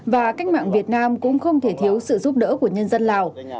và cách mạng việt nam cũng không thể thiếu sự giúp đỡ của nhân dân lào